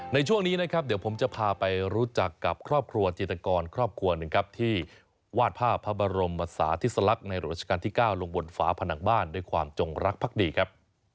ในช่วงนี้นะครับเดี๋ยวผมจะพาไปรู้จักกับครอบครัวจิตกรครอบครัวหนึ่งครับที่วาดภาพพระบรมศาธิสลักษณ์ในหลวงราชการที่๙ลงบนฝาผนังบ้านด้วยความจงรักภักดีครับ